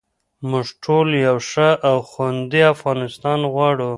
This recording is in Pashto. موږ ټول یو ښه او خوندي افغانستان غواړو.